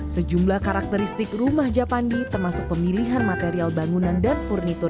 sejumlah karakteristik rumah japandi termasuk pemilihan material bangunan dan furnitur